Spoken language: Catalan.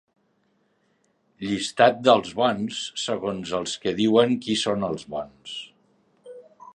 Llistat dels bons, segons els que diuen qui són els bons.